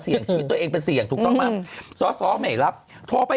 เสี่ยงชีวิตตัวเองเป็นเสี่ยงถูกต้องมากสอศไม่รับโทษไป